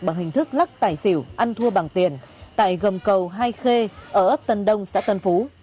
bằng hình thức lắc tài xỉu ăn thua bằng tiền tại gầm cầu hai khê ở ấp tân đông xã tân phú